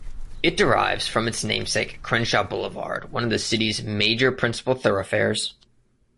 It derives from its namesake Crenshaw Boulevard, one of the city's major principal thoroughfares.